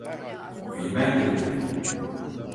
Bilmen gerekirdi.